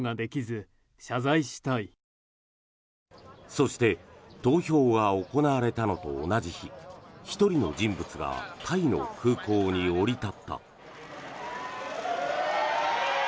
そして投票が行われたのと同じ日１人の人物がタイの空港に降り立った。